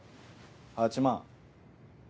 ８万。